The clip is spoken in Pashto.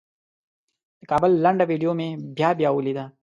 د کابل لنډه ویډیو مې بیا بیا ولیده.